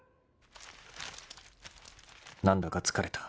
［何だか疲れた。